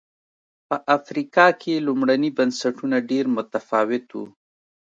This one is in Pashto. په افریقا کې لومړني بنسټونه ډېر متفاوت و.